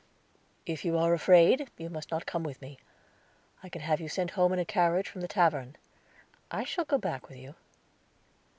"If you are afraid, you must not come with me. I can have you sent home in a carriage from the tavern." "I shall go back with you."